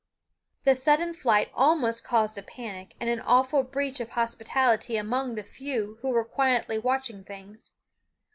The sudden flight almost caused a panic and an awful breach of hospitality among the few who were quietly watching things.